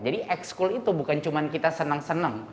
jadi ex school itu bukan cuma kita senang senang